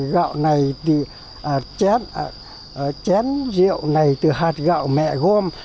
gạo này chén chén rượu này từ hạt gạo mẹ gom